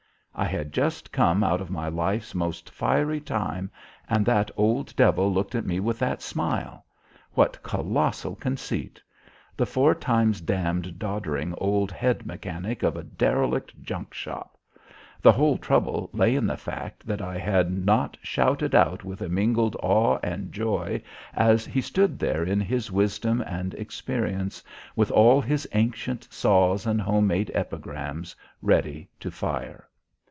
I had just come out of my life's most fiery time, and that old devil looked at me with that smile. What colossal conceit. The four times damned doddering old head mechanic of a derelict junk shop. The whole trouble lay in the fact that I had not shouted out with mingled awe and joy as he stood there in his wisdom and experience, with all his ancient saws and home made epigrams ready to fire.